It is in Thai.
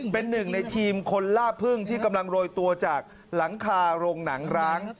เป็นหนึ่งในทีมคนล่าพึ่งที่กำลังโรยตัวจากหลังคาโรงหนังร้าง